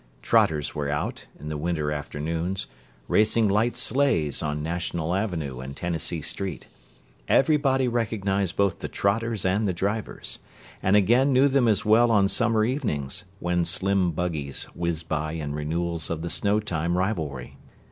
Trotters were out, in the winter afternoons, racing light sleighs on National Avenue and Tennessee Street; everybody recognized both the trotters and the drivers; and again knew them as well on summer evenings, when slim buggies whizzed by in renewals of the snow time rivalry.